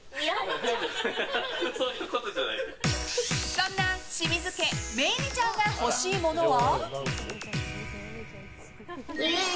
そんな清水家萌衣里ちゃんが欲しいものは？